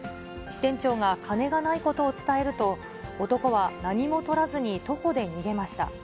支店長が金がないことを伝えると、男は何もとらずに徒歩で逃げました。